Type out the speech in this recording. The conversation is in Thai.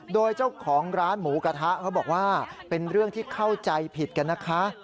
โดยเจ้าของร้านหมูกระทะเขาบอกว่าเป็นเรื่องที่เข้าใจผิดกันนะคะ